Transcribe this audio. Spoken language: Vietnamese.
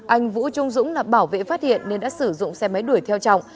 anh vũ trung dũng là bảo vệ phát hiện nên đã sử dụng xe máy đuổi theo trọng